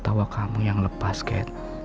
tawa kamu yang lepas kat